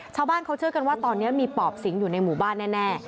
ชาวบ้านเขาเชื่อกันว่าตอนนี้มีปอบสิงอยู่ในหมู่บ้านแน่